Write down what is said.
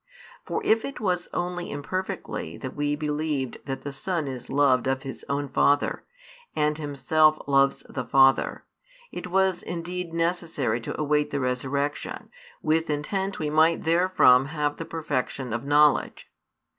For if it was only imperfectly that we believed that the Son is loved of His own Father, and Himself loves the Father, it was indeed necessary to await the Resurrection, with intent we might therefrom have the perfection of knowledge.